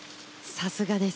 さすがです。